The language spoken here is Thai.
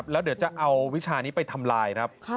แล้วเดี๋ยวจะเอาวิชานี้ไปทำลายครับ